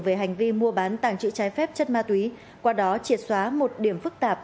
về hành vi mua bán tàng trữ trái phép chất ma túy qua đó triệt xóa một điểm phức tạp